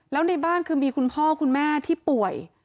แล้วในบ้านคือมีคุณพ่อคุณแม่ที่ป่วย